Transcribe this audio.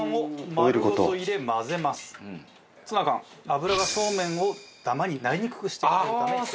油がそうめんをダマになりにくくしてくれるため。